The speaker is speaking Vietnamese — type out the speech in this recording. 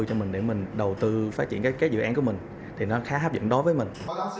cho mình để mình đầu tư phát triển các dự án của mình thì nó khá hấp dẫn đối với mình